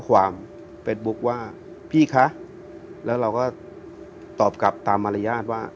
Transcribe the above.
ความเฟสบุ๊คว่าพี่คะแล้วเราก็ตอบกลับตามมารยาทว่า